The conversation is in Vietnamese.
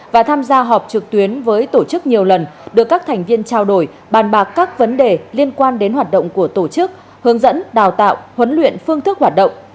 và tham gia họp trực tuyến với tổ chức nhiều lần được các thành viên trao đổi bàn bạc các vấn đề liên quan đến hoạt động của tổ chức hướng dẫn đào tạo huấn luyện phương thức hoạt động